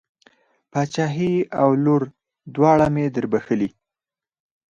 پاچهي او لور دواړه مې در بښلې.